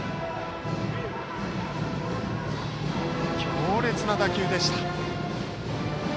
強烈な打球でした。